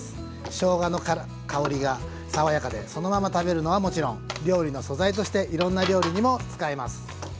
しょうがの香りが爽やかでそのまま食べるのはもちろん料理の素材としていろんな料理にも使えます。